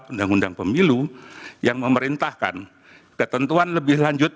undang undang pemilu yang memerintahkan ketentuan lebih lanjut